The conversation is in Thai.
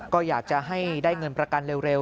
ก็อยากจะให้ได้เงินประกันเร็ว